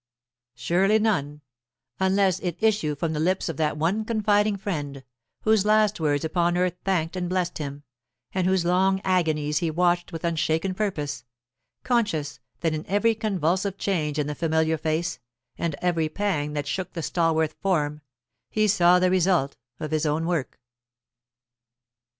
Surely none; unless it issue from the lips of that one confiding friend, whose last words upon earth thanked and blessed him, and whose long agonies he watched with unshaken purpose, conscious that in every convulsive change in the familiar face, and every pang that shook the stalwart form, he saw the result of his own work.